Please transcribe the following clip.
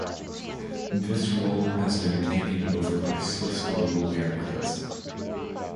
This role has since been taken over by Swiss Global Air Lines.